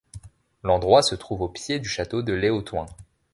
L'endroit se trouve aux pieds du château de Léotoing.